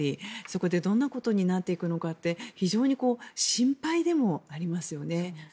そこでどんなことになっていくのかって非常に心配でもありますよね。